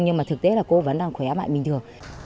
nhưng mà thực tế là cô vẫn đang khỏe mạnh bình thường